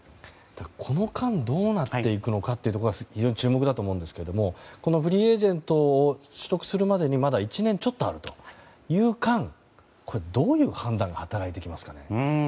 この間どうなっていくのか非常に注目だと思うんですがフリーエージェントを取得するまでにまだ１年ちょっとある間どういう判断が働いてきますかね。